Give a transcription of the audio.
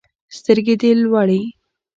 سترګي دي لوړی